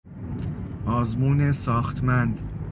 آزمون ساختمند